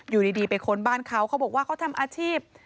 อยู่ดีไปค้นบ้านเขาเขาบอกว่าเขาทำอาชีพ